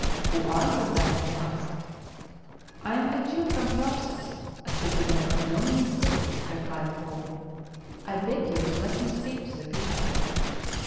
" Who are you, then ?" he asked. " I am a Jew from Tarsus, a citizen of no mean city," replied Paul. " I beg you to let me speak to the people."